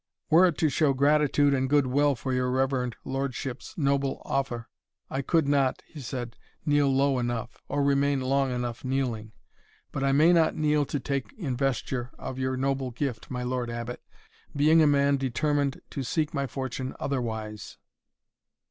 "Were it to show gratitude and good will for your reverend lordship's noble offer, I could not," he said, "kneel low enough, or remain long enough kneeling. But I may not kneel to take investure of your noble gift, my Lord Abbot, being a man determined to seek my fortune otherwise."